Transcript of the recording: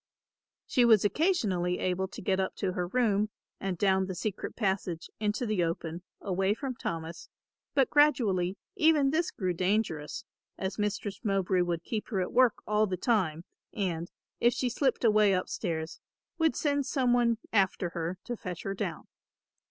She was occasionally able to get up to her room and down the secret passage into the open, away from Thomas, but gradually even this grew dangerous, as Mistress Mowbray would keep her at work all the time, and, if she slipped away upstairs, would send some one after her to fetch her down.